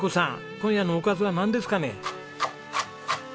今夜のおかずはなんですかね？